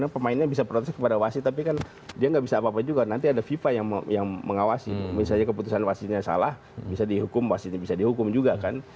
pemainnya bisa protes kepada wasit tapi kan dia nggak bisa apa apa juga nanti ada fifa yang mengawasi misalnya keputusan wasitnya salah bisa dihukum wasitnya bisa dihukum juga kan